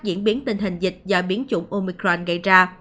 diễn biến tình hình dịch do biến chủng omicran gây ra